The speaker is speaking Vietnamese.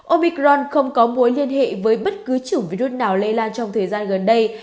obicron không có mối liên hệ với bất cứ chủng virus nào lây lan trong thời gian gần đây